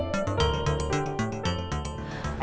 kenapa dia selalu tetep bersabar